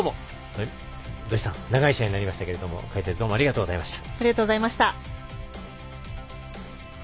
土居さん長い試合になりましたが解説、どうもありがとうございました。